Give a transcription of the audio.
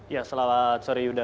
ya selamat sore yuda